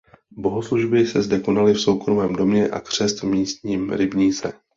Bohoslužby se zde konaly v soukromém domě a křest v místním rybníce.